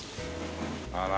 あら。